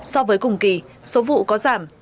so với cùng kỳ số vụ có giảm